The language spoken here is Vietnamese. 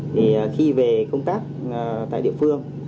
thì khi về công tác tại địa phương